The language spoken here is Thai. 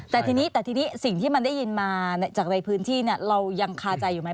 แต่ทีนี้แต่ทีนี้สิ่งที่มันได้ยินมาจากในพื้นที่เรายังคาใจอยู่ไหม